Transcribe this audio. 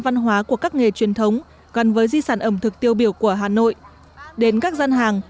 văn hóa của các nghề truyền thống gắn với di sản ẩm thực tiêu biểu của hà nội đến các gian hàng